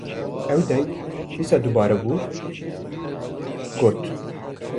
ew denga dîsa dubare bû, got: